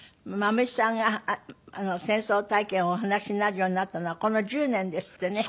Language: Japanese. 蝮さんが戦争体験をお話しになるようになったのはこの１０年ですってね。